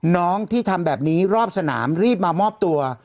น้องที่ทำแบบนี้รอบสนามรีบมามอบตัว